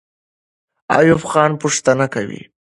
ایوب خان پوښتنه کوي.